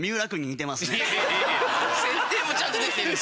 設定もちゃんとできてるんですね。